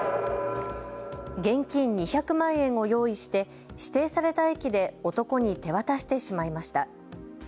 現金２００万円を用意して指定された駅で男に手渡してしまいました。